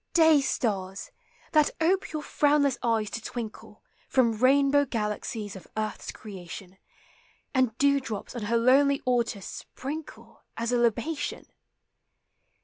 Day stars! that ope your frownless eyes to twinkle From rainbow galaxies of earth's creation, And dew drops on her lonely altars sprinkle As a libation.